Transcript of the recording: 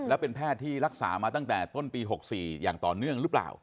แล้วเป็นแพทย์ที่รักษามาตั้งแต่ต้นปี๖๔อย่างต่อเนื่องหรือเปล่า